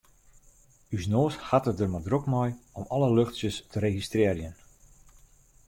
Us noas hat it der mar drok mei om alle luchtsjes te registrearjen.